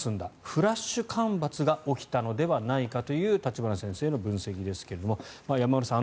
フラッシュ干ばつが起きたのではないかという立花先生の分析ですが山村さん